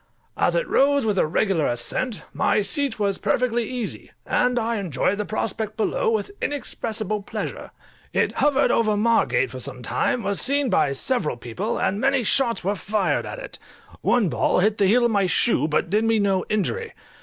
As it rose with a regular ascent, my seat was perfectly easy, and I enjoyed the prospect below with inexpressible pleasure. It hovered over Margate for some time, was seen by several people, and many shots were fired at it; one ball hit the heel of my shoe, but did me no injury.